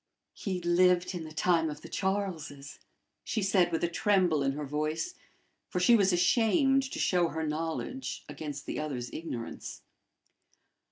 "He lived in the time of the Charleses," she said, with a tremble in her voice, for she was ashamed to show her knowledge against the other's ignorance.